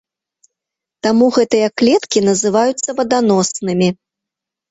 Таму гэтыя клеткі называюцца ваданоснымі.